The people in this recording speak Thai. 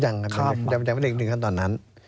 ยังไม่รีบนถึงตอนนั้น